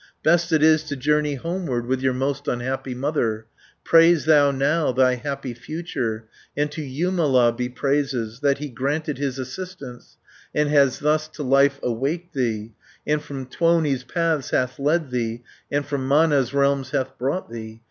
Best it is to journey homeward With your most unhappy mother, 630 Praise thou now thy happy future, And to Jumala be praises, That he granted his assistance, And has thus to life awaked thee, And from Tuoni's paths hath led thee, And from Mana's realms hath brought thee!